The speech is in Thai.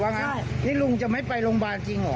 ฟังครับโด่ยลุงคั่อย้าไปโรงพยาบาลมามาจังหรอ